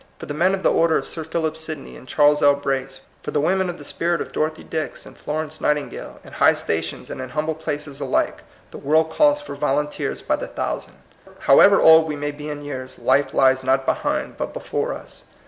For the men of the order of Sir Philip Sidney and Charles L. Brace, for the women of the spirit of Dorothy Dix and Florence Nightingale, in high stations and in humble places alike, the world calls for volunteers by the thousand. However old we may be in years, life lies not behind, but before us.